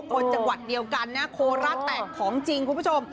คนจังหวัดเดียวกันนะโคราชแตกของจริงคุณผู้ชม